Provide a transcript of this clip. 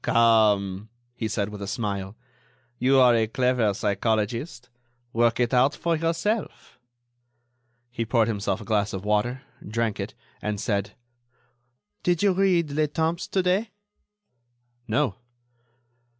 "Come," he said, with a smile, "you are a clever psychologist. Work it out for yourself." He poured himself a glass of water, drank it, and said: "Did you read 'Le Temps' to day?" "No."